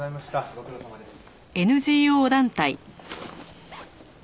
ご苦労さまです。